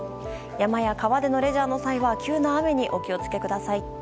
山や川でのレジャーの際は急な雨にお気を付けください。